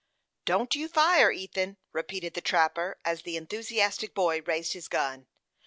"Don't you fire, Ethan," repeated the trapper, as the enthusiastic boy raised his gun.